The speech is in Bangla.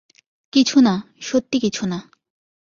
কিছুনা, সত্যি কিছুনা।